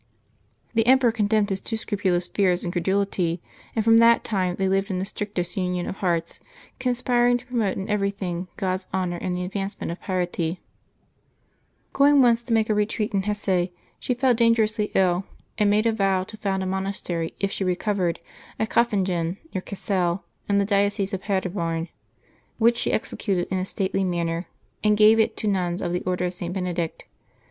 The emperor condemned his too scrupulous fears and cre dulity, and from that time they lived in the strictest union Maech 3] LIVES OF THE SAINTS 95 of hearts, conspiring to promote in everything God's honor and the advancement of piet}^ Going once to make a retreat in Hesse, she fell danger ously ill, and made a vow to found a monastery, if she re 30vered, at Kaffungen, near Cassel, in the diocese of Pader oorn, which she executed in a stately manner, and gave it io nuns of the Order of St. Benedict.